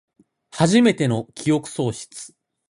はじめての記憶喪失